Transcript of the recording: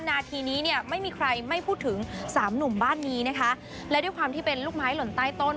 นาทีนี้เนี่ยไม่มีใครไม่พูดถึงสามหนุ่มบ้านนี้นะคะและด้วยความที่เป็นลูกไม้หล่นใต้ต้น